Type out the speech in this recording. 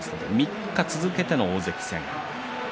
３日続けての大関戦です。